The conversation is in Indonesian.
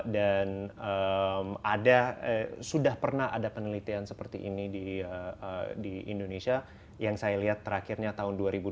dan sudah pernah ada penelitian seperti ini di indonesia yang saya lihat terakhirnya tahun dua ribu dua puluh